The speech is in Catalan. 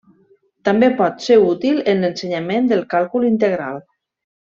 També pot ser útil en l'ensenyament del càlcul integral.